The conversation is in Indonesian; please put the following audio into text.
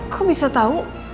kok bisa tau